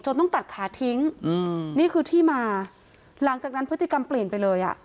ต้องตัดขาทิ้งอืมนี่คือที่มาหลังจากนั้นพฤติกรรมเปลี่ยนไปเลยอ่ะ